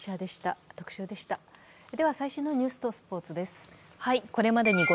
では最新のニュースとスポーツです。